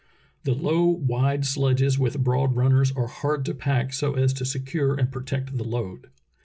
The low, wide sledges with broad runners are hard to pack so as to secure and protect the load.